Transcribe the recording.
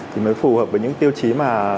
thì mới phù hợp với những tiêu chí mà